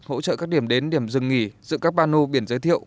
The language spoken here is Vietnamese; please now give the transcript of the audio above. hỗ trợ các điểm đến điểm dừng nghỉ dưỡng các bà nô biển giới thiệu